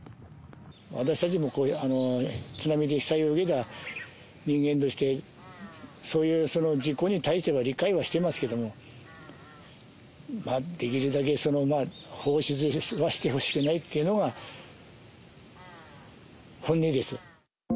私たちも津波で被災を受けた人間として、そういう事故に対しては理解はしてますけれども、できるだけ放出はしてほしくないというのが本音です。